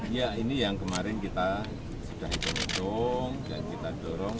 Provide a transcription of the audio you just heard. ya ini yang kemarin kita sudah dorong yang kita dorong